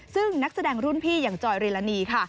ซึ่งนักแสดงรุ่นพี่อย่างจอยริลานีค่ะ